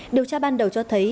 điều tra ban đầu cho thấy